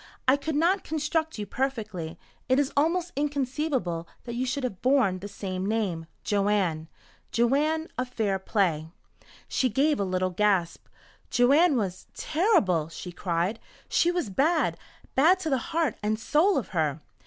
I could not construct you perfectly. It is almost inconceivable that you should have borne the same name Joanne. Joanne, of 'Fair Play.'" She gave a little gasp. "Joanne was terrible," she cried. "She was bad bad to the heart and soul of her!"